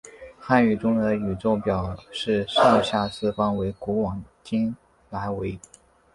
汉语中的宇宙表示上下四方为古往今来为。